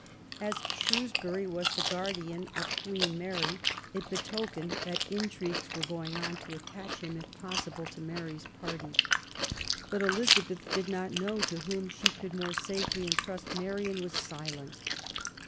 As Shrews bury was the guardian of Queen Mary it betokened that intrigues were going on to attach him, if possible, to Mary's party, but Elizabeth did not know to whom she could more safely entrust Mary, and was silent.